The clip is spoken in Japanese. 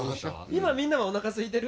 今みんなはおなかすいてる？